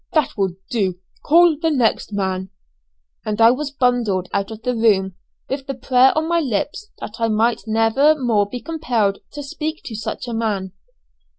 that will do. Call the next man." And I was bundled out of the room, with the prayer on my lips that I might never more be compelled to speak to such a man.